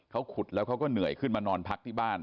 เขาขุดแล้วเขาก็เหนื่อยขึ้นมานอนพักที่บ้าน